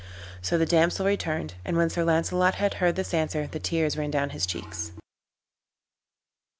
So the damsel returned; and when Sir Launcelot had heard this answer the tears ran down his cheeks.